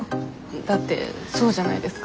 だってそうじゃないですか？